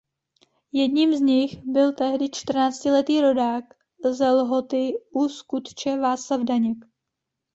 Jedním z nich byl tehdy čtrnáctiletý rodák ze Lhoty u Skutče Václav Daněk.